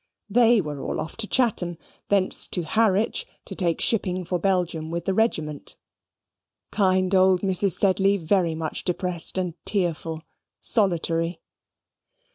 They were all off to Chatham, thence to Harwich, to take shipping for Belgium with the regiment kind old Mrs. Sedley very much depressed and tearful, solitary.